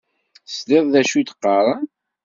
Tesliḍ d acu i d-qqaṛen?